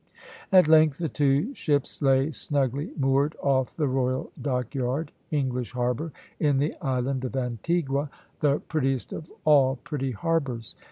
At length the two ships lay snugly moored off the Royal Dockyard, English harbour, in the island of Antigua, the prettiest of all pretty harbours.